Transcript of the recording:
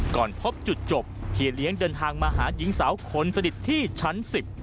ก่อนพบจุดจบเฮียเลี้ยงเดินทางมาหาหญิงสาวคนสนิทที่ชั้น๑๐